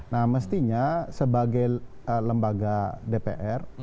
nah mestinya sebagai lembaga dpr